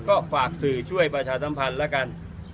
ก็ฝากสื่อช่วยประชาธรรมภัณฑ์ละกัน